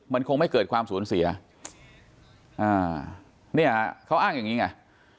มันคงไม่เกิดความสูญเสียอ่าเนี่ยเขาอ้างอย่างนี้ไง